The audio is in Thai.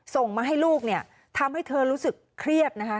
ส่งมาให้ลูกทำให้เธอรู้สึกเครียด